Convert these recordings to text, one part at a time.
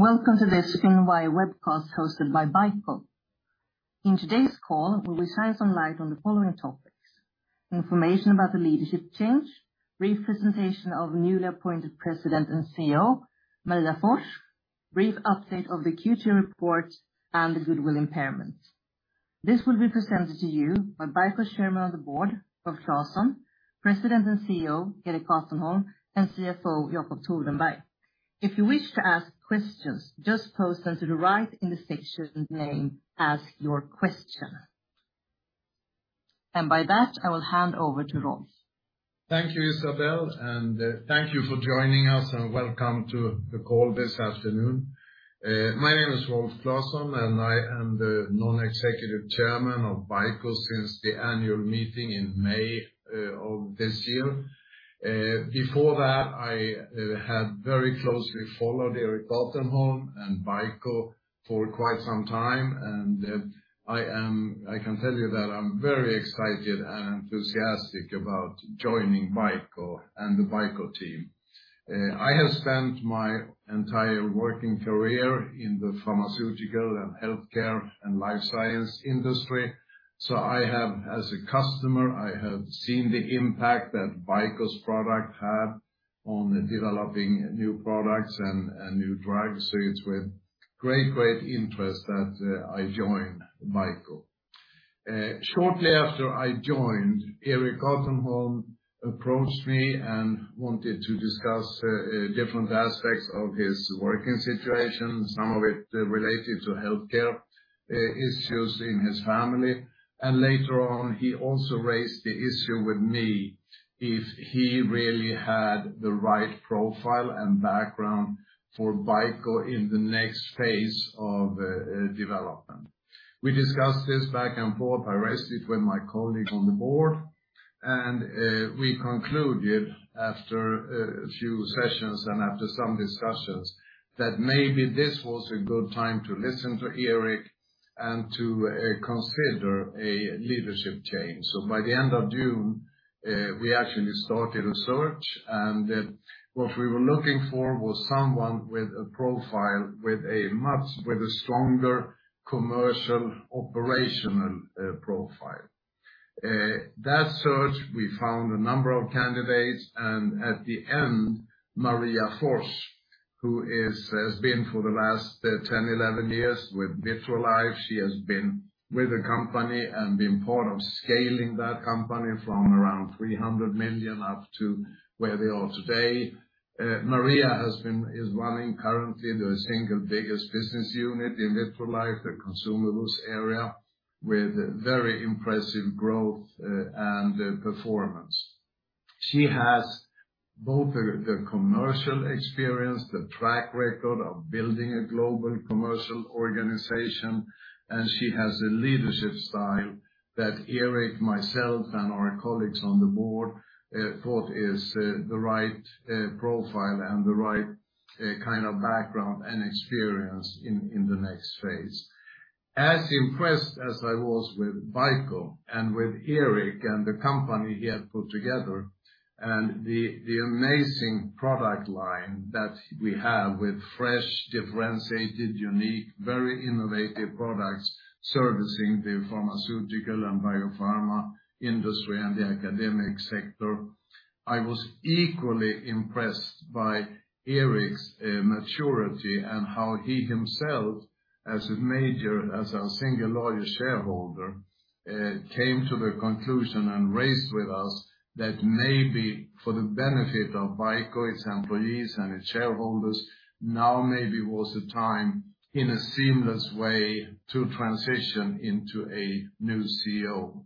Welcome to this Q&A webcast hosted by BICO. In today's call, we will shine some light on the following topics: information about the leadership change, brief presentation of newly appointed President and CEO, Maria Forss, brief update of the Q2 report and the goodwill impairment. This will be presented to you by BICO's Chairman of the Board, Rolf Classon, President and CEO, Erik Gatenholm, and CFO, Jacob Thordenberg. If you wish to ask questions, just post them to the right in the section named Ask Your Question. By that, I will hand over to Rolf. Thank you, Isabelle, and thank you for joining us, and welcome to the call this afternoon. My name is Rolf Classon, and I am the non-executive chairman of BICO since the annual meeting in May of this year. Before that, I had very closely followed Erik Gatenholm and BICO for quite some time, and I am, I can tell you that I'm very excited and enthusiastic about joining BICO and the BICO team. I have spent my entire working career in the pharmaceutical and healthcare and life science industry, so I have, as a customer, I have seen the impact that BICO's product had on developing new products and, and new drugs. It's with great, great interest that I joined BICO. Shortly after I joined, Erik Gatenholm approached me and wanted to discuss different aspects of his working situation, some of it related to healthcare issues in his family. Later on, he also raised the issue with me, if he really had the right profile and background for BICO in the next phase of development. We discussed this back and forth. I raised it with my colleagues on the board, and we concluded after a few sessions and after some discussions, that maybe this was a good time to listen to Erik and to consider a leadership change. By the end of June, we actually started a search, and what we were looking for was someone with a profile, with a stronger commercial, operational profile. That search, we found a number of candidates, and at the end, Maria Forss, who has been for the last 10, 11 years with Vitrolife. She has been with the company and been part of scaling that company from around 300 million up to where they are today. Maria has been running currently, the single biggest business unit in Vitrolife, the Consumables area, with very impressive growth and performance. She has both the commercial experience, the track record of building a global commercial organization, and she has a leadership style that Erik, myself, and our colleagues on the board thought is the right profile and the right kind of background and experience in the next phase. As impressed as I was with BICO and with Erik and the company he had put together, and the amazing product line that we have with fresh, differentiated, unique, very innovative products servicing the pharmaceutical and biopharma industry and the academic sector. I was equally impressed by Erik's maturity and how he himself, as a major, as our single largest shareholder, came to the conclusion and raised with us that maybe for the benefit of BICO, its employees and its shareholders, now maybe was the time, in a seamless way, to transition into a new CEO.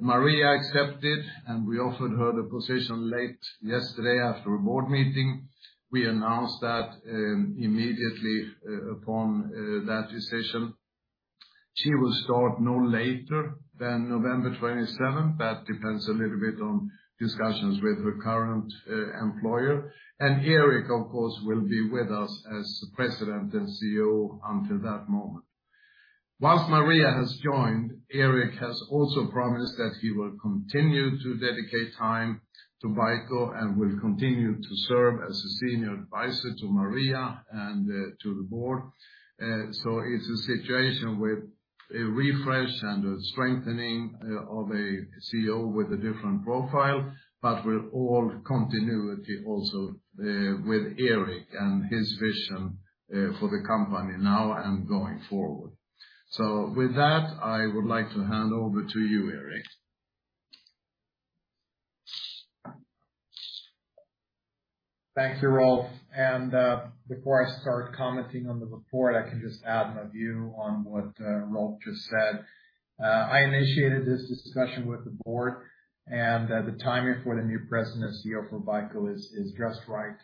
Maria accepted. We offered her the position late yesterday after a board meeting. We announced that immediately upon that decision. She will start no later than November 27th. That depends a little bit on discussions with her current, employer, Erik, of course, will be with us as President and CEO until that moment. Once Maria has joined, Erik has also promised that he will continue to dedicate time to BICO and will continue to serve as a senior advisor to Maria and, to the board. It's a situation with a refresh and a strengthening, of a CEO with a different profile, but with all continuity also, with Erik and his vision, for the company now and going forward. With that, I would like to hand over to you, Erik. Thank you, Rolf. Before I start commenting on the report, I can just add my view on what Rolf just said. I initiated this discussion with the board, and the timing for the new president and CEO for BICO is just right.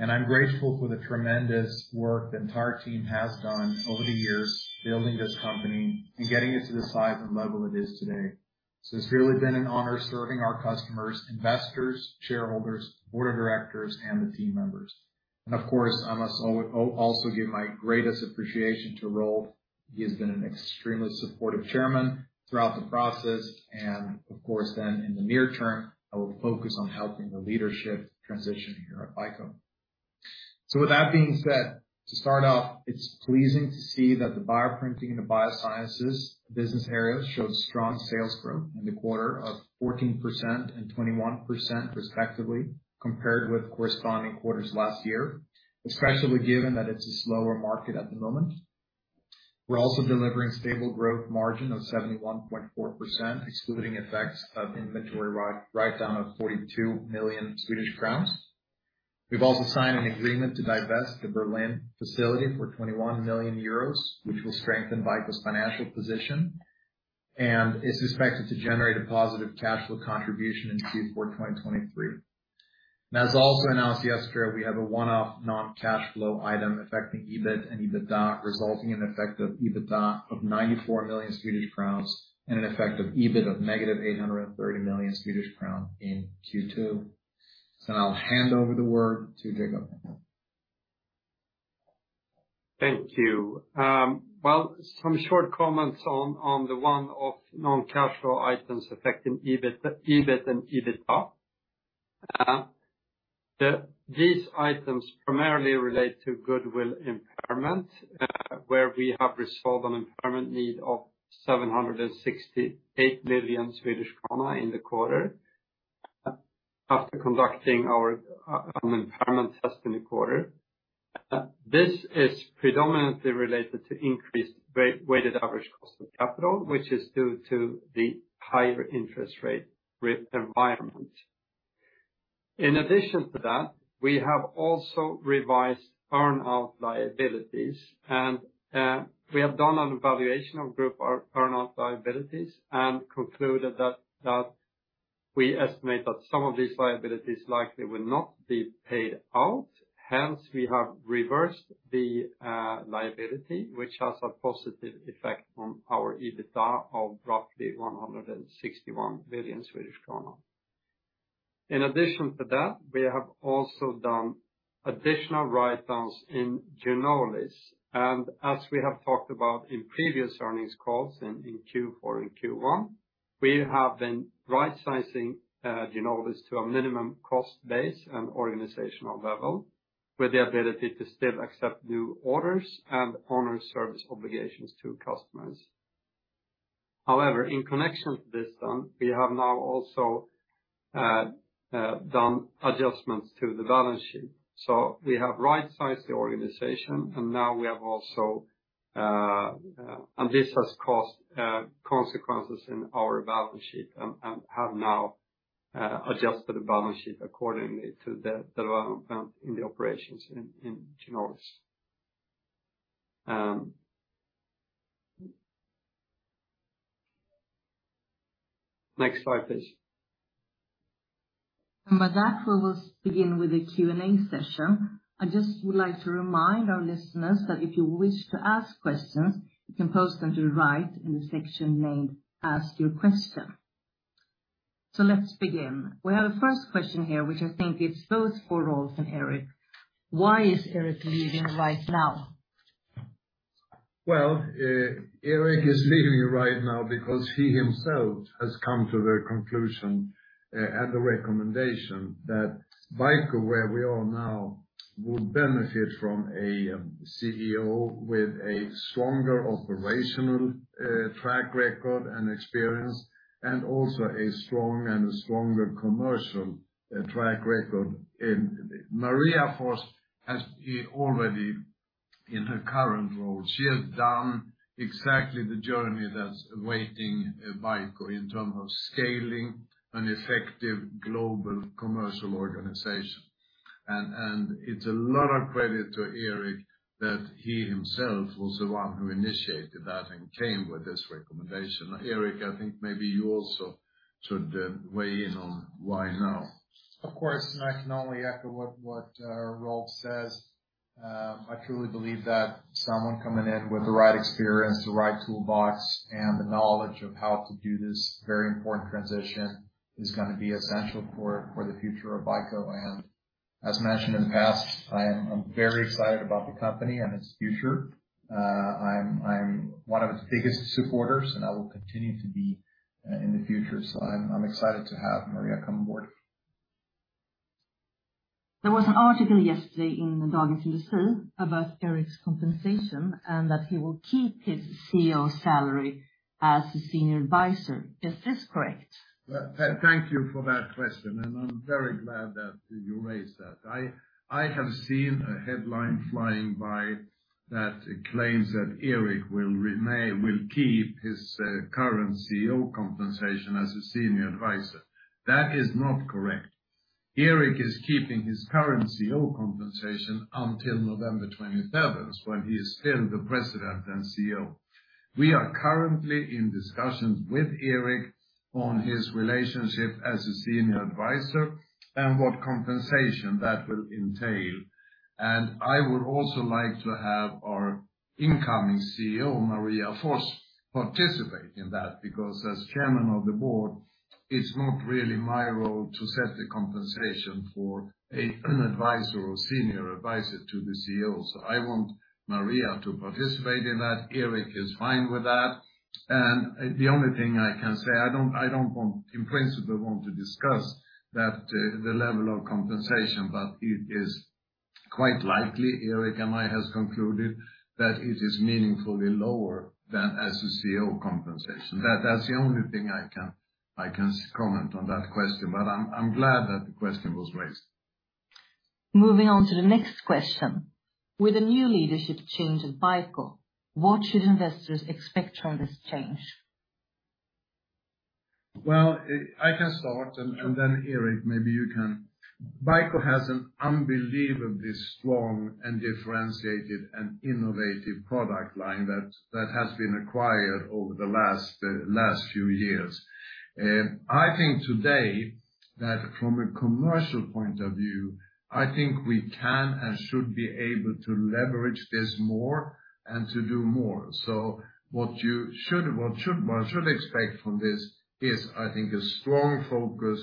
I'm grateful for the tremendous work the entire team has done over the years, building this company and getting it to the size and level it is today. It's sincerely been an honor serving our customers, investors, shareholders, board of directors, and the team members. Of course, I must also give my greatest appreciation to Rolf. He has been an extremely supportive chairman throughout the process, of course, then in the near term, I will focus on helping the leadership transition here at BICO. With that being said, to start off, it's pleasing to see that the bioprinting and the Biosciences business areas showed strong sales growth in the quarter of 14% and 21% respectively, compared with corresponding quarters last year, especially given that it's a slower market at the moment. We're also delivering stable growth margin of 71.4%, excluding effects of inventory write-down of 42 million Swedish crowns. We've also signed an agreement to divest the Berlin facility for 21 million euros, which will strengthen BICO's financial position, and it's expected to generate a positive cash flow contribution in Q4 2023. As also announced yesterday, we have a one-off non-cash flow item affecting EBIT and EBITDA, resulting in effective EBITDA of 94 million Swedish crowns and an effective EBIT of negative 830 million Swedish crown in Q2. I'll hand over the word to Jacob. Thank you. Well, some short comments on, on the one-off non-cash flow items affecting EBIT, EBIT and EBITDA. These items primarily relate to goodwill impairment, where we have resolved an impairment need of 768 million Swedish krona in the quarter. After conducting an impairment test in the quarter, this is predominantly related to increased weighted average cost of capital, which is due to the higher interest rate environment. In addition to that, we have also revised earn-out liabilities, and we have done an evaluation of group earn-out liabilities and concluded that we estimate that some of these liabilities likely will not be paid out. Hence, we have reversed the liability, which has a positive effect on our EBITDA of roughly 161 million Swedish krona. In addition to that, we have also done additional write-downs in Ginolis, and as we have talked about in previous earnings calls in, in Q4 and Q1, we have been right-sizing Ginolis to a minimum cost base and organizational level, with the ability to still accept new orders and honor service obligations to customers. However, in connection to this done, we have now also, done adjustments to the balance sheet. We have right-sized the organization. This has caused consequences in our balance sheet and, and have now, adjusted the balance sheet accordingly to the, the development in the operations in, in Ginolis. Next slide, please. With that, we will begin with the Q&A session. I just would like to remind our listeners that if you wish to ask questions, you can post them to the right in the section named Ask Your Question. Let's begin. We have a first question here, which I think is both for Rolf and Erik. Why is Erik leaving right now? Well, Erik is leaving right now because he himself has come to the conclusion, and the recommendation that BICO, where we are now, would benefit from a CEO with a stronger operational track record and experience, and also a strong and a stronger commercial track record. Maria Forss has already in her current role, she has done exactly the journey that's awaiting BICO in terms of scaling an effective global commercial organization. It's a lot of credit to Erik that he himself was the one who initiated that and came with this recommendation. Erik, I think maybe you also should weigh in on why now? Of course, I can only echo what, what Rolf says. I truly believe that someone coming in with the right experience, the right toolbox, and the knowledge of how to do this very important transition, is gonna be essential for, for the future of BICO. As mentioned in the past, I am, I'm very excited about the company and its future. I'm, I'm one of its biggest supporters, and I will continue to be in the future. I'm, I'm excited to have Maria come on board. There was an article yesterday in the Dagens Industri about Erik's compensation, and that he will keep his CEO salary as a senior advisor. Is this correct? Thank you for that question, and I'm very glad that you raised that. I have seen a headline flying by that claims that Erik will keep his current CEO compensation as a senior advisor. That is not correct. Erik is keeping his current CEO compensation until November 27th, when he is still the president and CEO. We are currently in discussions with Erik on his relationship as a senior advisor, and what compensation that will entail. I would also like to have our incoming CEO, Maria Forss. Participate in that, because as chairman of the board, it's not really my role to set the compensation for an advisor or senior advisor to the CEO. I want Maria to participate in that. Erik is fine with that. The only thing I can say, I don't want, in principle, want to discuss that, the level of compensation, but it is quite likely, Erik and I has concluded, that it is meaningfully lower than as a CEO compensation. That's the only thing I can comment on that question, but I'm glad that the question was raised. Moving on to the next question: With a new leadership change at BICO, what should investors expect from this change? I can start, and then Erik, maybe you can. BICO has an unbelievably strong and differentiated and innovative product line that, that has been acquired over the last, last few years. I think today, that from a commercial point of view, I think we can and should be able to leverage this more and to do more. What you should, one should expect from this is, I think, a strong focus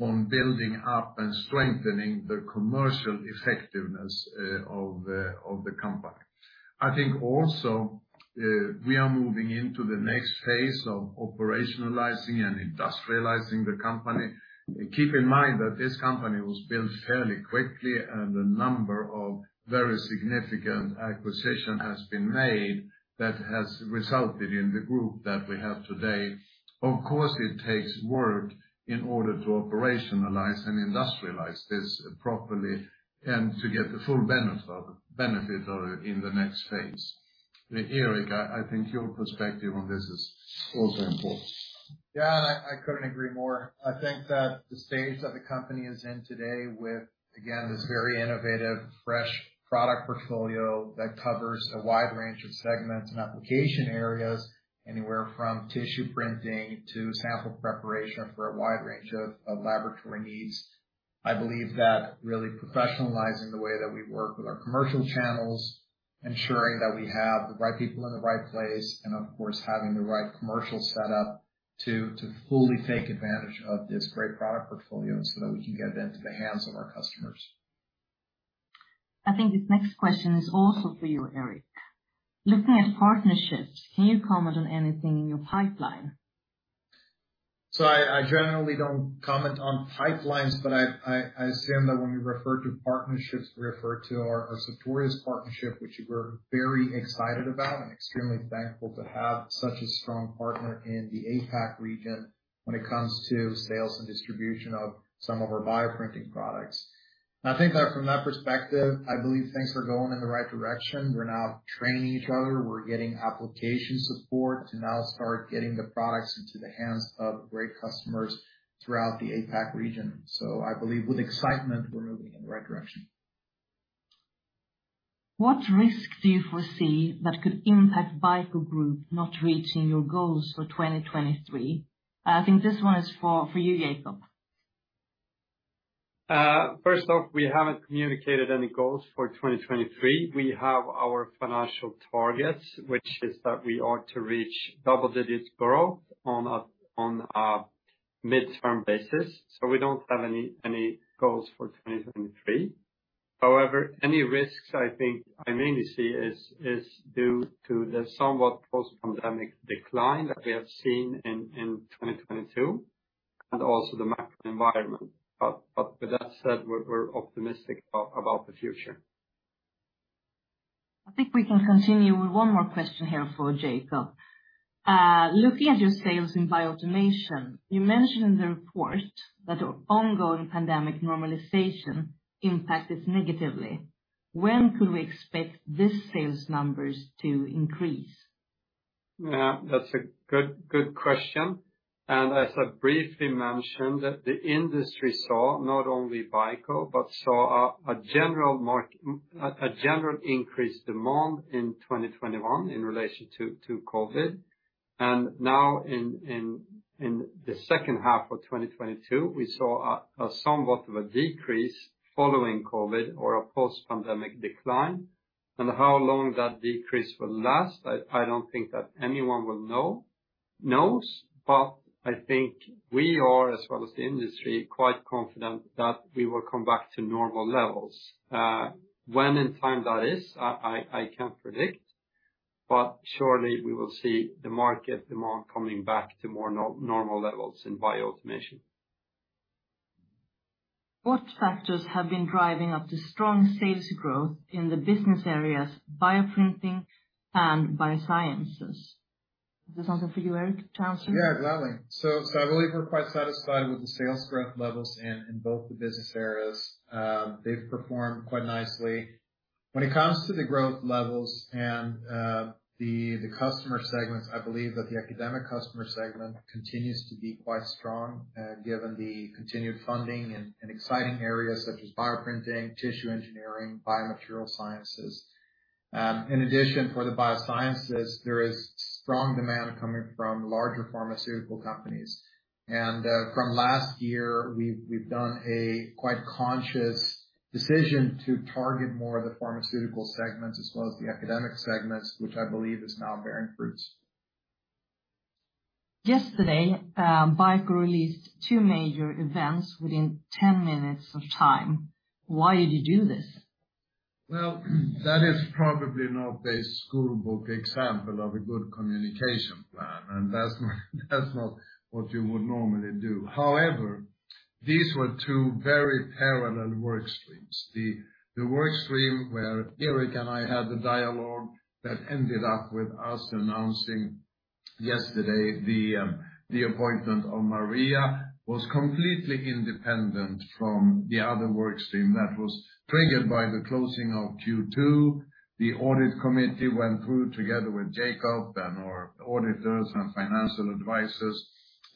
on building up and strengthening the commercial effectiveness of the, of the company. I think also, we are moving into the next phase of operationalizing and industrializing the company. Keep in mind that this company was built fairly quickly, and a number of very significant acquisition has been made that has resulted in the group that we have today. Of course, it takes work in order to operationalize and industrialize this properly, and to get the full benefit of, benefit of it in the next phase. Erik, I, I think your perspective on this is also important. Yeah, I, I couldn't agree more. I think that the stage that the company is in today with, again, this very innovative, fresh product portfolio that covers a wide range of segments and application areas, anywhere from tissue printing to sample preparation for a wide range of, of laboratory needs. I believe that really professionalizing the way that we work with our commercial channels, ensuring that we have the right people in the right place, and of course, having the right commercial setup to, to fully take advantage of this great product portfolio, so that we can get it into the hands of our customers. I think this next question is also for you, Erik. Looking at partnerships, can you comment on anything in your pipeline? I generally don't comment on pipelines, but I assume that when we refer to partnerships, we refer to our Sartorius partnership, which we're very excited about and extremely thankful to have such a strong partner in the APAC region when it comes to sales and distribution of some of our bioprinting products. I think that from that perspective, I believe things are going in the right direction. We're now training each other. We're getting application support to now start getting the products into the hands of great customers throughout the APAC region. I believe with excitement, we're moving in the right direction. What risks do you foresee that could impact BICO Group not reaching your goals for 2023? I think this one is for you, Jacob. First off, we haven't communicated any goals for 2023. We have our financial targets, which is that we are to reach double-digit growth on a midterm basis, so we don't have any goals for 2023. However, any risks I think I mainly see is due to the somewhat post-pandemic decline that we have seen in 2022, and also the macro environment. With that said, we're optimistic about the future. I think we can continue with one more question here for Jacob. Looking at your sales in Bioautomation, you mentioned in the report that ongoing pandemic normalization impacted negatively. When could we expect these sales numbers to increase? Yeah, that's a good, good question. As I briefly mentioned, that the industry saw not only BICO, but saw a general increased demand in 2021 in relation to COVID. Now, in the second half of 2022, we saw a somewhat of a decrease following COVID, or a post-pandemic decline, and how long that decrease will last, I don't think that anyone will know, knows, but I think we are, as well as the industry, quite confident that we will come back to normal levels. When in time that is, I can't predict, but surely we will see the market demand coming back to more normal levels in Bioautomation. What factors have been driving up the strong sales growth in the business areas, bioprinting and biosciences? Is this something for you, Erik, to answer? Yeah, gladly. I believe we're quite satisfied with the sales growth levels in both the business areas. They've performed quite nicely. When it comes to the growth levels and the customer segments, I believe that the academic customer segment continues to be quite strong, given the continued funding in exciting areas such as bioprinting, tissue engineering, biomaterials science. In addition, for the biosciences, there is strong demand coming from larger pharmaceutical companies. From last year, we've done a quite conscious decision to target more of the pharmaceutical segments as well as the academic segments, which I believe is now bearing fruits. Yesterday, BICO released two major events within 10 minutes of time. Why did you do this? Well, that is probably not the school book example of a good communication plan, and that's not, that's not what you would normally do. However, these were two very parallel work streams. The, the work stream where Erik Gatenholm and I had the dialogue that ended up with us announcing yesterday the appointment of Maria Forss, was completely independent from the other work stream that was triggered by the closing of Q2. The audit committee went through, together with Jacob Thordenberg and our auditors and financial advisors,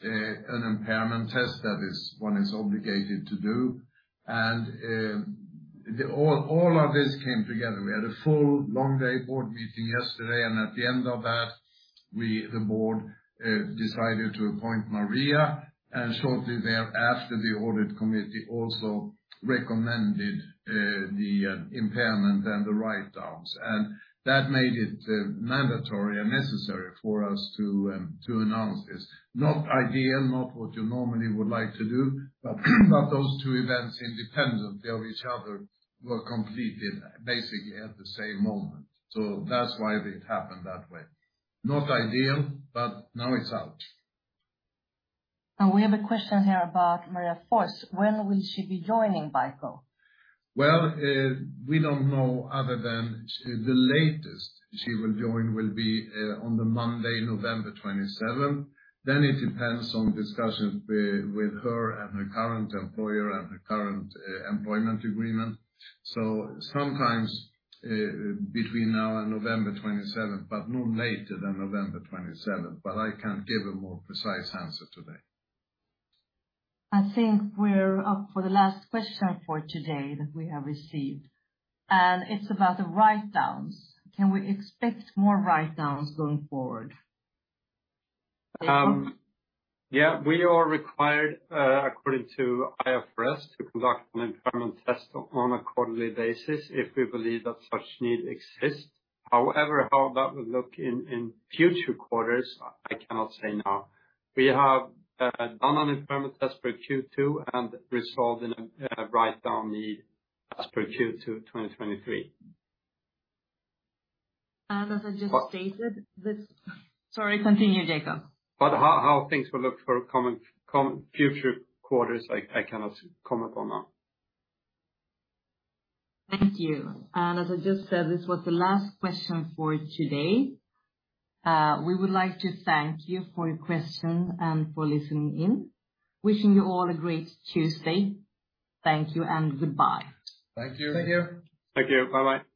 an impairment test that is, one is obligated to do. All of this came together. We had a full, long day board meeting yesterday, and at the end of that, we, the board, decided to appoint Maria Forss, and shortly thereafter, the audit committee also recommended the impairment and the write-downs. That made it mandatory and necessary for us to announce this. Not ideal, not what you normally would like to do, but, but those two events, independently of each other, were completed basically at the same moment. That's why it happened that way. Not ideal, but now it's out. We have a question here about Maria Forss. When will she be joining BICO? Well, we don't know, other than the latest she will join will be on the Monday, November 27th. It depends on discussions with, with her and her current employer and her current employment agreement. Sometimes, between now and November 27th, but no later than November 27th. I can't give a more precise answer today. I think we're up for the last question for today that we have received, and it's about the write-downs. Can we expect more write-downs going forward? Jacob? Yeah. We are required, according to IFRS, to conduct an impairment test on a quarterly basis if we believe that such need exists. However, how that will look in, in future quarters, I cannot say now. We have, done an impairment test for Q2 and resolved in a, write-down the as per Q2, 2023. As I just stated, sorry, continue, Jacob. How, how things will look for coming, coming future quarters, I, I cannot comment on that. Thank you. As I just said, this was the last question for today. We would like to thank you for your question and for listening in. Wishing you all a great Tuesday. Thank you and goodbye. Thank you. Thank you. Thank you. Bye-bye.